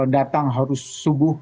datang harus subuh